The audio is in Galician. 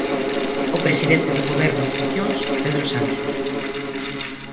O presidente do Goberno en funcións, Pedro Sánchez.